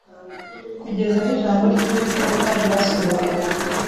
Kugeza aho ijambo ry’Uwiteka ryasohoreye,